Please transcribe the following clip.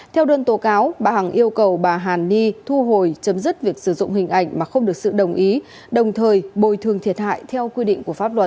theo đơn tố cáo bà hằng yêu cầu bà hàn ni thu hồi chấm dứt việc sử dụng hình ảnh mà không được sự đồng ý đồng thời bồi thường thiệt hại theo quy định của pháp luật